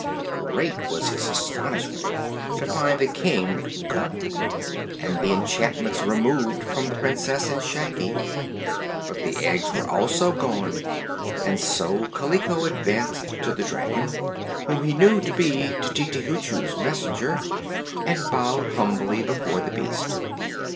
Great was his astonishment to find the King gone and the enchantments removed from the Princess and Shaggy. But the eggs were also gone and so Kaliko advanced to the dragon, whom he knew to be Tititi Hoochoo's messenger, and bowed humbly before the beast.